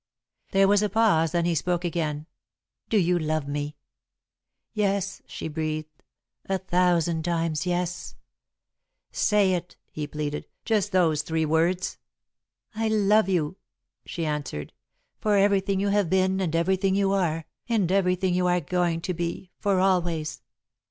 There was a pause, then he spoke again. "Do you love me?" "Yes," she breathed. "A thousand times, yes!" "Say it," he pleaded. "Just those three words." "I love you," she answered, "for everything you have been and everything you are and everything you are going to be, for always.